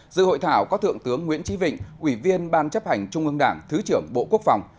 dự hội thảo có thượng tướng nguyễn trí vịnh ủy viên ban chấp hành trung ương đảng thứ trưởng bộ quốc phòng